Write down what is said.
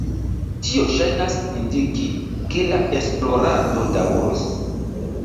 Tio ŝajnas indiki, ke la esplorado daŭros.